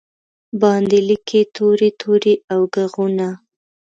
باندې لیکې توري، توري او ږغونه